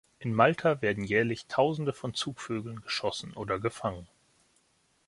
In Malta werden jährlich Tausende von Zugvögeln geschossen oder gefangen.